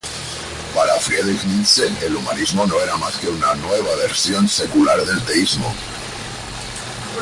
Para Friedrich Nietzsche, el humanismo no era más que una versión secular del teísmo.